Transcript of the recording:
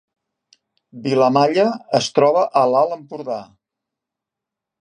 Vilamalla es troba a l’Alt Empordà